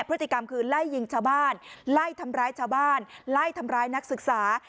พฤติกรรมคือไล่ยิงชาวบ้านไล่ทำร้ายชาวบ้านไล่ทำร้ายนักศึกษา